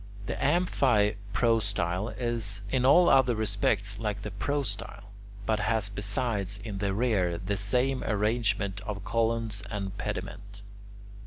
The amphiprostyle is in all other respects like the prostyle, but has besides, in the rear, the same arrangement of columns and pediment.